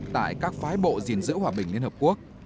tại các phái bộ gìn giữ hòa bình liên hợp quốc